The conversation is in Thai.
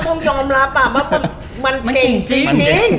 ไม่ต้องยอมรับอะมันเก่งจริง